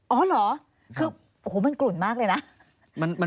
อ๋อเหรอคือโอ้โหมันกลุ่นมากเลยนะ